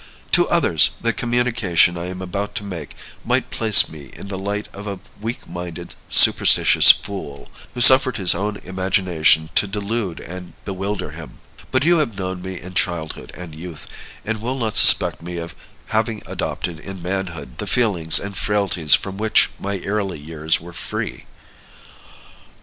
To others, the communication I am about to make might place me in the light of a weak minded, superstitious fool, who suffered his own imagination to delude and bewilder him; but you have known me in childhood and youth, and will not suspect me of having adopted in manhood the feelings and frailties from which my early years were free."